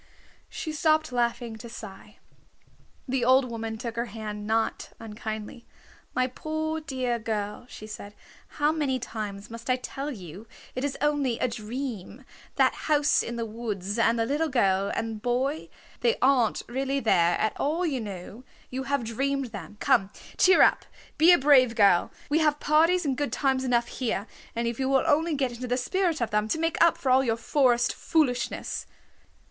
She stopped laughing to sigh. The old woman took her hand not unkindly. "My poor, dear girl," she said, "how many times must I tell you it is only a dream, that house in the woods and the little girl and boy? They aren't really there at all, you know. You have dreamed them. Come, cheer up. Be a brave girl. We have parties and good times enough here, if you will only get into the spirit of them, to make up for all your forest foolishness."